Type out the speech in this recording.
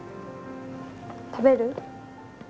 食べる？